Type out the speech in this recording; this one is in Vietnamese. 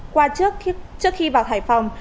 qua trước khi vào hải phòng